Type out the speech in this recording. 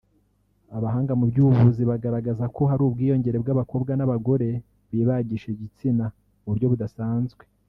Abahanga mu by’ubuvuzi bagaragaza ko hari ubwiyongere bw’abakobwa n’abagore bibagisha igitsina mu buryo budasanzwe